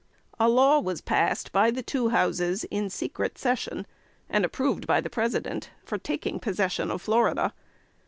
A law was passed by the two Houses, in secret session, and approved by the President, for taking possession of Florida.